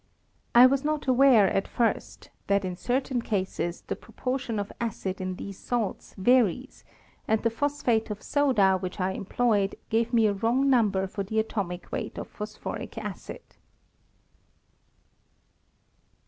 I was not aware at firsts that, x2 308 HISTORY OF CHEMISTRY. in certain cases, the proportion of acid in these salts Taries, and the phosphate of soda which I employed gave me a wrong number for the atomic weight of phosphoric acid.